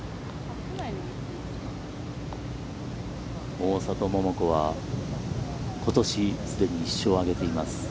大里桃子は、ことし、既に１勝を上げています。